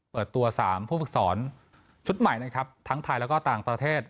เปิดตัว๓ผู้ฝึกสอนชุดใหม่นะครับทั้งไทยแล้วก็ต่างประเทศ